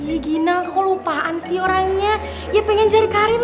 ih gina kok lupaan sih orangnya ya pengen cari karin lah